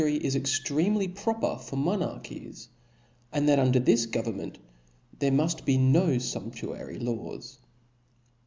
^''y ^^ extremely proper for monarchies, and that der this government there muft be no fumptu ary laws.